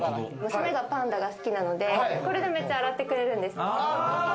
娘がパンダが好きなので、これでめっちゃ洗ってくれるんですよ。